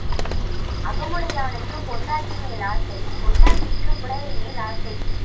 அகமுடையானுக்குப் பெண்டாட்டிமேல் ஆசை, பெண்டாட்டிக்குப் புடைவைமேல் ஆசை.